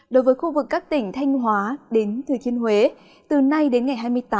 đối với khu vực các tỉnh thanh hóa đến thừa thiên huế từ nay đến ngày hai mươi tám